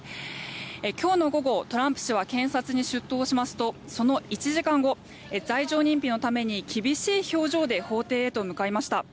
今日の午後、トランプ氏は検察に出頭しますとその１時間後罪状認否のために厳しい表情で法廷へと向かいました。